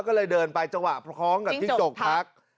ก็เลยเดินไปจังหวะพร้อมกับจิ้งจกพัก